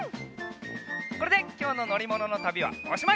これできょうののりもののたびはおしまい！